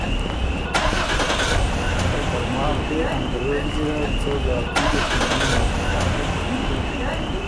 که ترماخ دې انګرېز ګیرډ څه زاتي دُشمني نک هۀ،